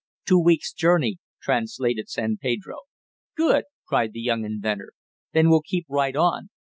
"Two weeks journey," translated San Pedro. "Good!" cried the young inventor. "Then we'll keep right on.